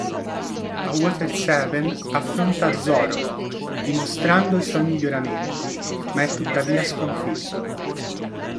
A Water Seven affronta Zoro, dimostrando i suoi miglioramenti, ma è tuttavia sconfitto.